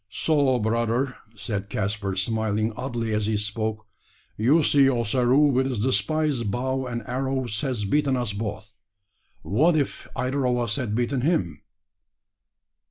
"So, brother," said Caspar, smiling oddly as he spoke, "you see Ossaroo with his despised bow and arrows has beaten us both. What, if either of us had beaten him?"